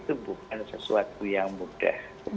adalah sesuatu yang mudah